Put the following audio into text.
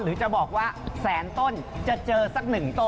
หรือจะบอกว่าแสนต้นจะเจอสักหนึ่งต้น